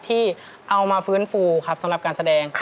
ที่เอามาฟื้นฟูครับสำหรับการแสดง